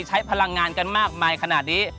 ใช้พลังงานกันมากมายขนาดนี้